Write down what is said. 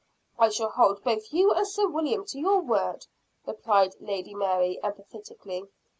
"I shall hold both you and Sir William to your word," replied Lady Mary emphatically.